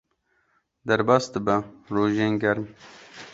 Derbas dibe rojên germ.